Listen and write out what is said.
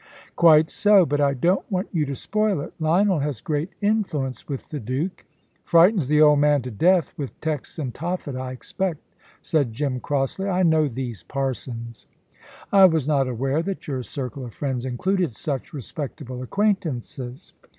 "Quite so, but I don't want you to spoil it. Lionel has great influence with the Duke." "Frightens the old man to death with texts and Tophet, I expect," said Jim, crossly. "I know these parsons." "I was not aware that your circle of friends included such respectable acquaintances."